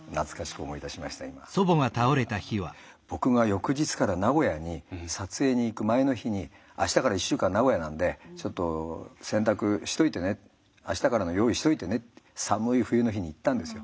僕が翌日から名古屋に撮影に行く前の日に明日から１週間名古屋なんでちょっと洗濯しといてね明日からの用意しといてねって寒い冬の日に言ったんですよ。